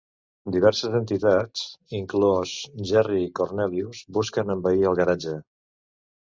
Diverses entitats, inclòs Jerry Cornelius, busquen envair el garatge.